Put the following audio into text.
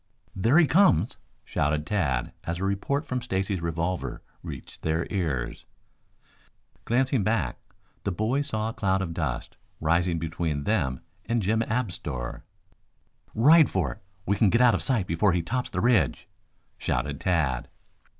"There he comes," shouted Tad as a report from Stacy's revolver reached their ears. Glancing back the boys saw a cloud of dust rising between them and Jim Abs' store. "Ride for it! We can get out of sight before he tops the ridge," shouted Tad.